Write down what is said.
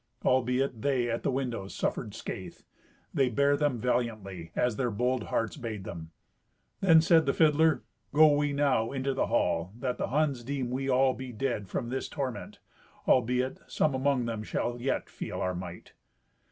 Albeit they at the windows suffered scathe, they bared them valiantly, as their bold hearts bade them. Then said the fiddler, "Go we now into the hall, that the Huns deem we be all dead from this torment, albeit some among them shall yet feel our might."